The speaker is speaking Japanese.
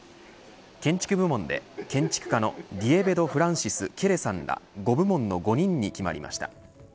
建築部門で建築家のディエベド・フランシス・ケレさんが５部門の５人に決まりました。